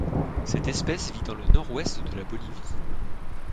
Cette espèce vit dans le Nord-Ouest de la Bolivie.